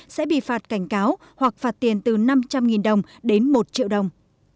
sẽ bị phạt cảnh cáo hoặc phạt tiền từ năm trăm linh đồng đến một triệu đồng